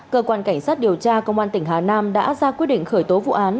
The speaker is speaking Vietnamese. cơ quan cảnh sát điều tra công an tỉnh hà nam đã ra quyết định khởi tố vụ án